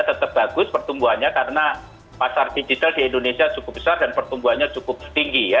tetap bagus pertumbuhannya karena pasar digital di indonesia cukup besar dan pertumbuhannya cukup tinggi ya